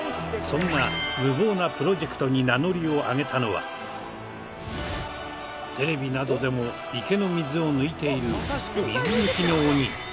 そんな無謀なプロジェクトに名乗りを上げたのはテレビなどでも池の水を抜いている。